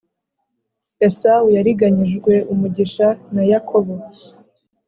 Esawu yariganyijwe umugisha na yakobo